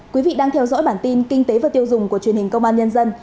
quý vị đang theo dõi bản tin kinh tế và tiêu dùng của truyền hình công an nhân dân